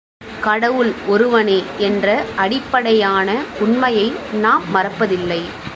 கடவுள் ஒருவனே என்ற அடிப்படையான உண்மையை நாம் மறப்பதில்லை.